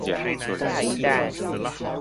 下一站